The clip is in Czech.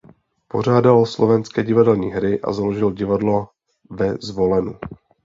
Pořádal slovenské divadelní hry a založil divadlo ve Zvolenu.